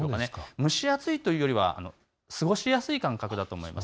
蒸し暑いというよりは過ごしやすい感覚だと思います。